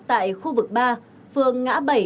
tại khu vực ba phường ngã bảy